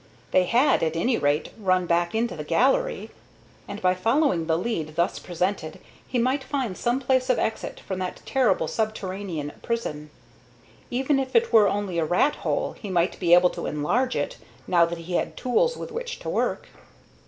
They had, at any rate, run back into the gallery; and by following the lead thus presented he might find some place of exit from that terrible subterranean prison. Even if it were only a rat hole, he might be able to enlarge it, now that he had tools with which to work.